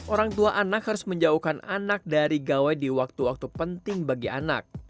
orang tua anak harus menjauhkan anak dari gawai di waktu waktu penting bagi anak